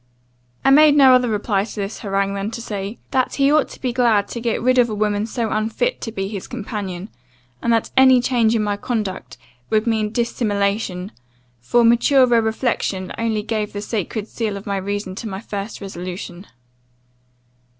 "I made no other reply to this harangue, than to say, 'That he ought to be glad to get rid of a woman so unfit to be his companion and that any change in my conduct would be mean dissimulation; for maturer reflection only gave the sacred seal of reason to my first resolution.